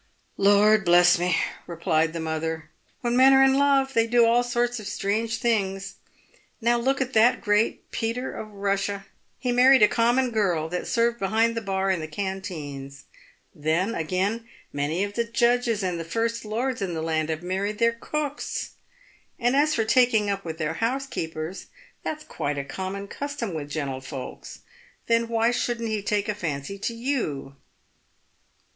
" Lord bless me !" replied the mother, " when men are in love they do all sorts of strange things. Now look at that great Peter of Russia. He married a common girl that served behind the bar in the canteens. Then, again, many of the judges and the first lords in the land have married their cooks. And as for taking up with their housekeepers, that's quite a common custom with gentlefolks. Then why shouldn't he take a fancy to you?"